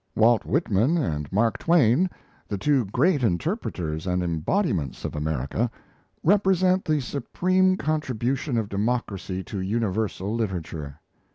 Walt Whitman and Mark Twain, the two great interpreters and embodiments of America, represent the supreme contribution of democracy to universal literature.